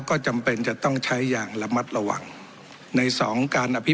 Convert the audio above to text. ก็จำเป็นจะต้องใช้อย่างระมัดระวังในสองการอภิ